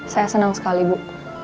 saya senang sekali bu